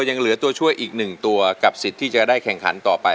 ยังเหลือตัวช่วยอีกหนึ่งตัวกับสิทธิ์ที่จะได้แข่งขันต่อไป